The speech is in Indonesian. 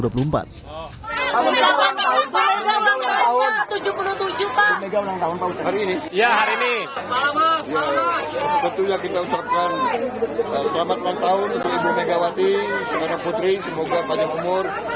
semoga sempat semoga banyak umur